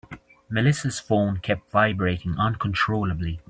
Melissa's phone kept vibrating uncontrollably.